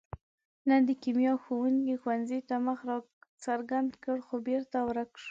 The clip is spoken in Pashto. نن د کیمیا ښوونګي ښوونځي ته مخ را څرګند کړ، خو بېرته ورک شو.